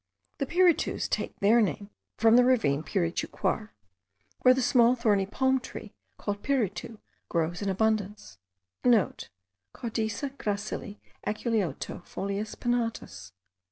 The Piritus take their name from the ravine Pirichucuar, where the small thorny palm tree,* called piritu, grows in abundance (* Caudice gracili aculeato, foliis pinnatis.